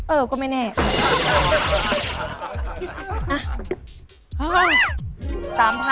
เออก็ไม่แน่ค่ะ